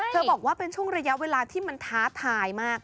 บอกว่าเป็นช่วงระยะเวลาที่มันท้าทายมาก